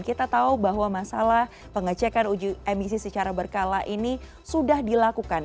kita tahu bahwa masalah pengecekan uji emisi secara berkala ini sudah dilakukan